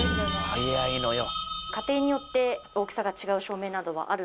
速いのよ。